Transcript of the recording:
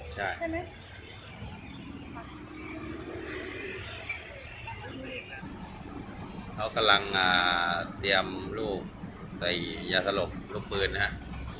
เขากำลังเตรียมรูปใส่ยาสลบรูปปืนนะครับ